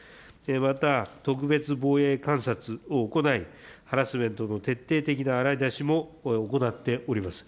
また特別防衛監察を行い、ハラスメントの徹底的な洗い出しも行っております。